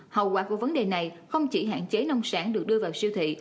hậu quả của vấn đề này không chỉ hạn chế nông sản được đưa vào siêu thị